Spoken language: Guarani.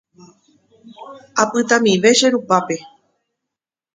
Apytamive che rupápe.